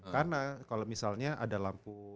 karena kalau misalnya ada lampu